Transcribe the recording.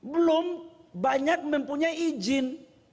belum banyak mempunyai izin